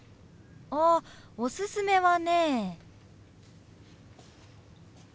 あっおすすめはね。